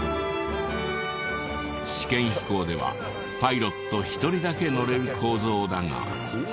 試験飛行ではパイロット１人だけ乗れる構造だが。